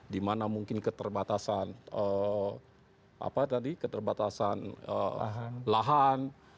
dimana mungkin keterbatasan apa tadi keterbatasan lahan